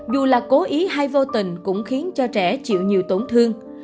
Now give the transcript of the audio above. hay vô tình cũng khiến cho trẻ chịu nhiều tổn thương